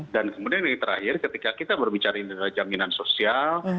dan kemudian ini terakhir ketika kita berbicara jaminan sosial